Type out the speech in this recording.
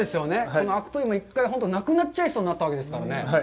この悪戸いも、１回本当なくなっちゃいそうになったわけですもんね。